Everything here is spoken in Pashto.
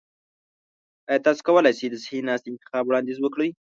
ایا تاسو کولی شئ د صحي ناستي انتخاب وړاندیز وکړئ؟